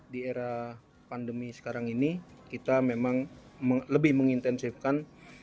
di era pandemi sekarang ini kita memang lebih mengintensifkan